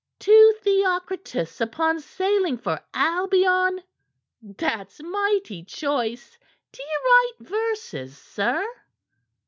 'To Theocritus upon sailing for Albion.' That's mighty choice! D'ye write verses, sir?"